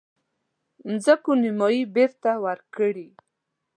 مځکو نیمايي بیرته ورکړي.